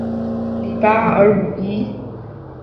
里巴尔鲁伊。